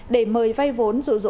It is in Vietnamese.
để mời vai vốn dụ dụ